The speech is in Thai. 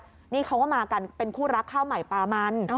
นี่เขาก็มากันเป็นคู่รักข้าวใหม่ปลามัน